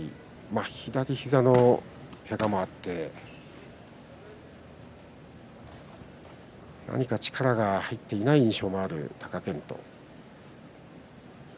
左膝のけがもあって何か力が入っていない印象がある貴健斗。